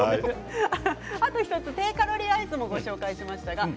低カロリーアイスもご紹介しました。